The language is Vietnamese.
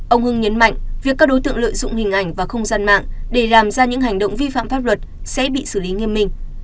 ông hưng nhấn mạnh việc các đối tượng lợi dụng hình ảnh và không gian mạng để làm ra những hành động vi phạm pháp luật sẽ bị xử lý nghiêm minh